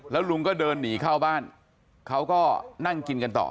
แล้วลุงก็เดินหนีเข้าบ้านเขาก็นั่งกินกันต่อ